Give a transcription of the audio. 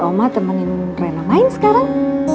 roma temenin rena main sekarang